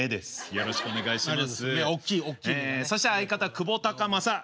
よろしくお願いします。